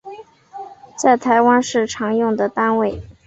在台湾是常用的单位